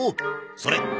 それ。